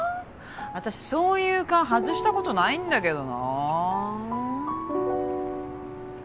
私そういう勘外したことないんだけどなあ